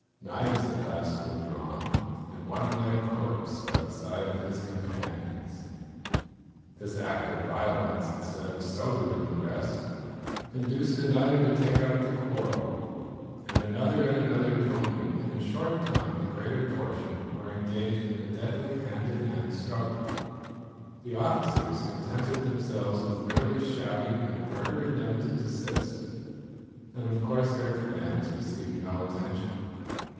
Knives at last were drawn, and one lay a corpse by the side of his companions. This act of violence, instead of sobering the rest, induced another to take up the quarrel, and another and another joining, in a short time the greater portion were engaged in a deadly hand to hand struggle. The officers contented themselves with merely shouting and ordering them to desist, and of course their commands received no attention.